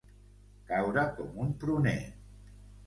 Caure com un pruner.